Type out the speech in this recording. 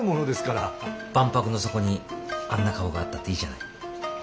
万博の底にあんな顔があったっていいじゃない。